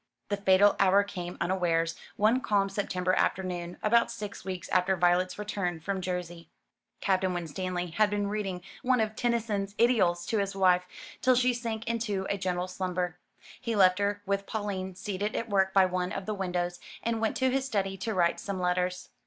The fatal hour came unawares, one calm September afternoon, about six weeks after Violet's return from Jersey. Captain Winstanley had been reading one of Tennyson's idyls to his wife, till she sank into a gentle slumber. He left her, with Pauline seated at work by one of the windows, and went to his study to write some letters.